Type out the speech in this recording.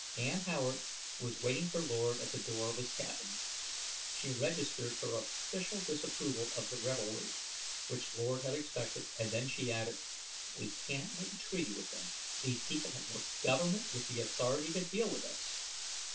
Ann Howard was waiting for Lord at the door of his cabin. She registered her official disapproval of the revelry, which Lord had expected, and then she added, "We can't make a treaty with them; these people have no government with the authority to deal with us."